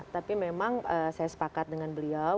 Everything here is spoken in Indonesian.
tapi memang saya sepakat dengan beliau